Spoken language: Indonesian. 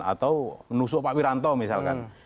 atau nusuk pak wiranto misalkan